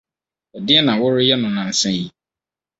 Ɛdeɛn na woreyɛ no nnansa yi?